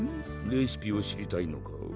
レシピを知りたいのか？